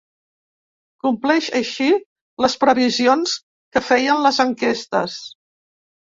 Compleix així les previsions que feien les enquestes.